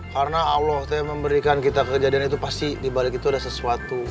karena allah itu yang memberikan kita kejadian itu pasti dibalik itu ada sesuatu